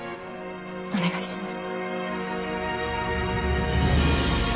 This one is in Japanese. お願いします。